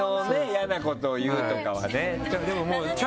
嫌なことを言うとかはね。